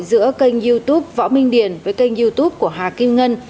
giữa kênh youtube võ minh điền với kênh youtube của hà kim ngân